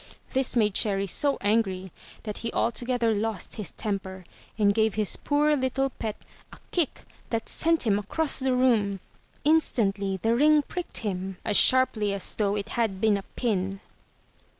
This made Cherry so angry that he altogether lost his temper and gave his poor little pet a kick that sent him across the room. Instantly the ring pricked him as sharply as though it had been a pin.